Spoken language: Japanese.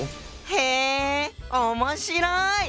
へ面白い！